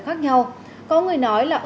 khác nhau có người nói là